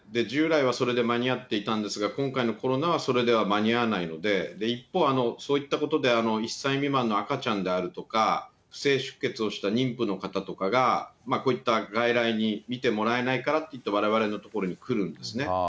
従来はそれで間に合っていたんですが、今回のコロナはそれでは間に合わないので、一方、そういったことで１歳未満の赤ちゃんであるとか、不正出血をした妊婦の方だとかが、こういった外来に診てもらえないから、きっとわれわれの所に来るんですね。